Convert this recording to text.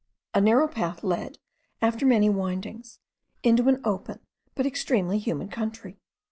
A narrow path led, after many windings, into an open but extremely humid country.